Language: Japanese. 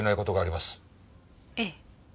ええ。